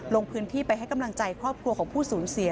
ลงพื้นที่ไปให้กำลังใจครอบครัวของผู้สูญเสีย